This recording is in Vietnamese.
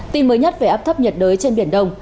tin mới nhất về áp thấp nhiệt đới trên biển đông